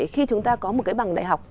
khi chúng ta có một cái bằng đại học